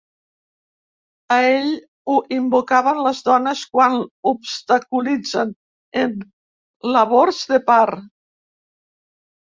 A ell ho invocaven les dones quan obstaculitzen en labors de part.